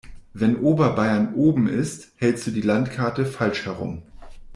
Wenn Oberbayern oben ist, hältst du die Landkarte falsch herum.